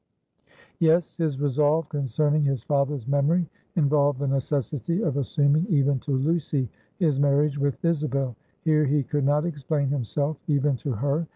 Yes, his resolve concerning his father's memory involved the necessity of assuming even to Lucy his marriage with Isabel. Here he could not explain himself, even to her.